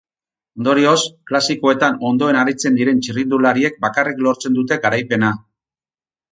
Ondorioz, klasikoetan ondoen aritzen diren txirrindulariek bakarrik lortzen dute garaipena.